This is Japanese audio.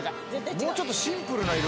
「もうちょっとシンプルな色」